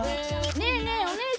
ねえねえ